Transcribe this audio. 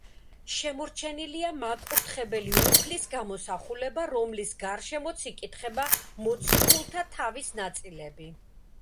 შემორჩენილია მაკურთხებელი უფლის გამოსახულება, რომლის გარშემოც იკითხება მოციქულთა თავის ნაწილები.